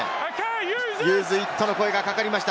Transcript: ユーズイットの声がかかりました。